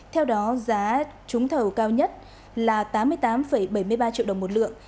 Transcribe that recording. theo đó giá trúng thầu cao nhất là tám mươi tám bảy mươi ba triệu đồng một lượng